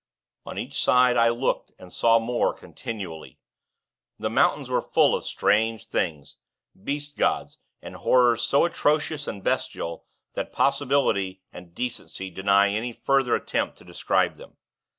On each side, I looked, and saw more, continually. The mountains were full of strange things Beast gods, and Horrors so atrocious and bestial that possibility and decency deny any further attempt to describe them.